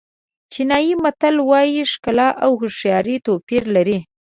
چینایي متل وایي ښکلا او هوښیاري توپیر لري.